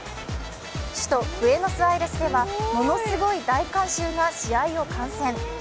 首都ブエノスアイレスではものすごい大観衆が試合を観戦。